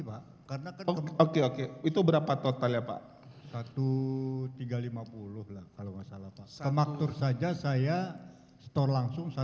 ter crushed itu berapa total ya pak seribu tiga ratus lima puluh kalau masalah pastor makin saja saya stock langsung